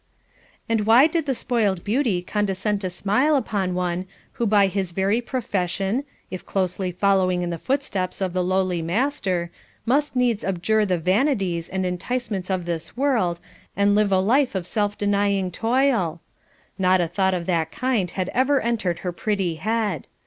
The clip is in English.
And why did the spoiled beauty condescend to smile upon one, who by his very profession, if closely following in the footsteps of the lowly Master, must needs abjure the vanities and enticements of this world, and live a life of self denying toil. Not a thought of that kind had ever entered her pretty head.